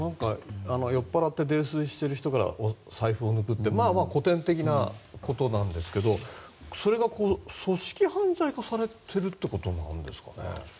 酔っぱらって泥酔している人から財布を抜くって古典的なことなんですけどそれが組織犯罪化されてるってことなんですかね。